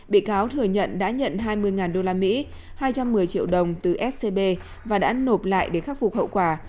bị cáo thừa nhận đã nhận hai mươi đô la mỹ hai trăm một mươi triệu đồng từ scb và đã nộp lại để khắc phục hậu quả